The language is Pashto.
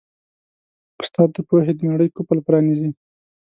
استاد د پوهې د نړۍ قفل پرانیزي.